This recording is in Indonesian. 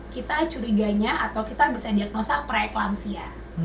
kita curiganya atau kita bisa diagnosa preeklampsia